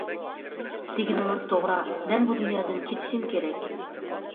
دېگىنىڭىز توغرا، مەن بۇ دۇنيادىن كېتىشىم كېرەك.